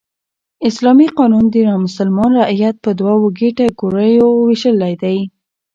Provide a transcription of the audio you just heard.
اسلامي قانون نامسلمان رعیت په دوو کېټه ګوریو ویشلى دئ.